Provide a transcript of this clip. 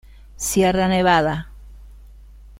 Sierra Nevada.